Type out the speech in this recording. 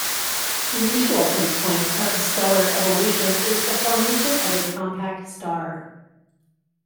The usual endpoint of stellar evolution is the formation of a compact star.